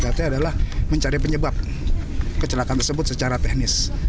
jadi tugas knkt adalah mencari penyebab kecelakaan tersebut secara teknis